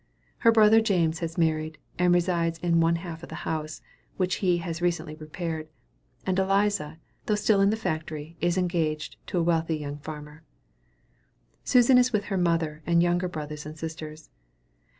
Her brother James has married, and resides in one half of the house, which he has recently repaired; and Eliza, though still in the factory, is engaged to a wealthy young farmer. Susan is with her mother, and younger brothers and sisters.